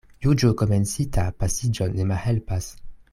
Juĝo komencita paciĝon ne malhelpas.